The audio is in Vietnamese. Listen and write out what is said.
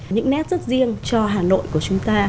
những nét rất riêng cho hà nội của chúng ta